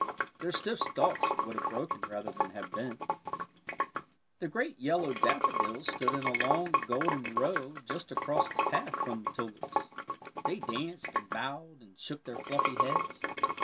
Their stiff stalks would have broken rather than have bent. The great yellow daffodils stood in a long golden row just across the path from the tulips. They danced and bowed and shook their fluffy heads.